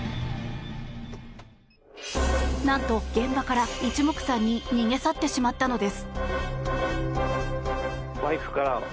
何と、現場から一目散に逃げ去ってしまったのです。